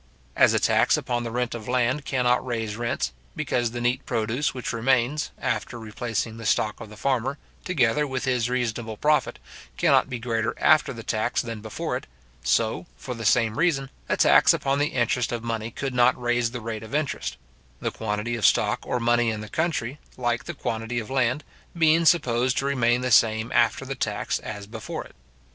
As a tax upon the rent of land cannot raise rents, because the neat produce which remains, after replacing the stock of the farmer, together with his reasonable profit, cannot be greater after the tax than before it, so, for the same reason, a tax upon the interest of money could not raise the rate of interest; the quantity of stock or money in the country, like the quantity of land, being supposed to remain the same after the tax as before it.